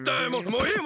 もういい！